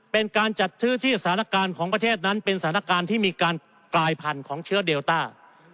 เป็นการจัดซื้อที่สถานการณ์ของประเทศนั้นเป็นสถานการณ์ที่มีการกลายพันธุ์ของเชื้อเดลต้า